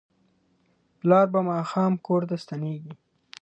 پلار به ماښام کور ته ستنیږي.